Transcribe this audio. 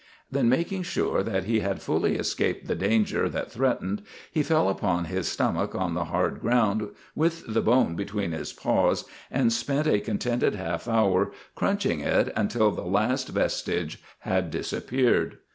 Then, making sure that he had fully escaped the danger that threatened, he fell upon his stomach on the hard ground with the bone between his paws, and spent a contented half hour crunching it until the last vestige had disappeared.